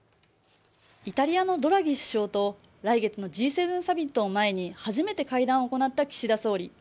イタリアのドラギ首相と来月のＧ７サミットを前に初めて会談を行った岸田総理。